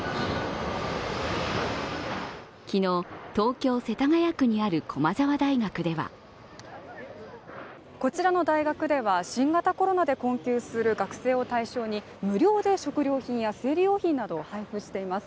昨日、東京・世田谷区にある駒沢大学ではこちらの大学では新型コロナで困窮する学生を対象に無料で食料品や生理用品などを配布しています。